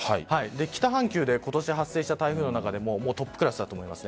北半球で今年発生した台風の中でもトップクラスだと思います。